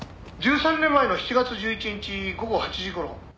「１３年前の７月１１日午後８時頃」